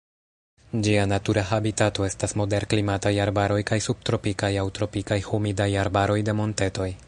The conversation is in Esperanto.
Ĝia natura habitato estas moderklimataj arbaroj kaj subtropikaj aŭ tropikaj humidaj arbaroj de montetoj.